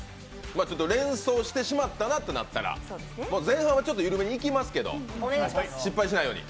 連想してしまったなとなったら前半は緩めにいきますけど失敗しないように。